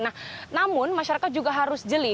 nah namun masyarakat juga harus jeli